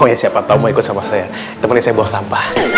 oh ya siapa tahu mau ikut sama saya temennya saya buang sampah